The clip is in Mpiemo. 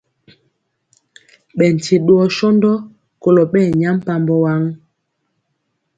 Ɓɛ nkye dwɔ sɔndɔ kolɔ ɓɛ nyampambɔ waŋ.